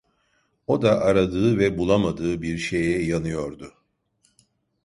O da aradığı ve bulamadığı bir şeye yanıyordu.